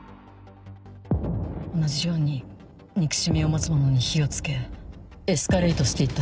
同じように憎しみを持つ者に火を付けエスカレートして行った。